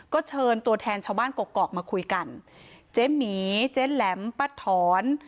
ก็เชิญตัวแทนชาวบ้านกกอกมาคุยกันเจ๊หมีเจ๊แหลมป้าถอน